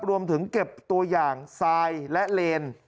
รวมถึงเก็บตัวอย่างทรายและเลน